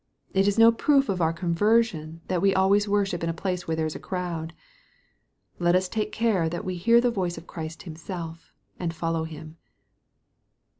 It is no proof of our conversion that we always worship in a place where there is a crowd. Let us take care that we hear the voice of Christ Himself, and follow Him.